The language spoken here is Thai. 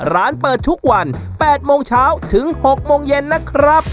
ร้านเปิดทุกวัน๘โมงเช้าถึง๖โมงเย็นนะครับ